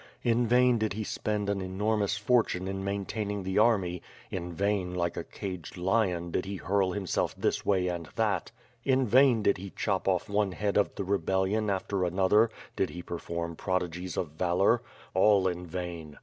In vain did he spend an enonnous fortune in maintaining the army, in vain like a caged lion, did he huri himself this way and that; in vain did he chop off one head of the rebel lion after another; did he perform prodigies of valor; all in vain!